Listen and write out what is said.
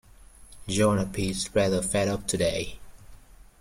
John appears rather fed up today